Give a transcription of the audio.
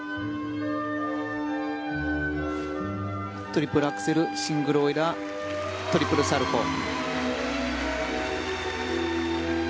トリプルアクセルシングルオイラートリプルサルコウ。